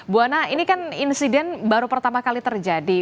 bu ana ini kan insiden baru pertama kali terjadi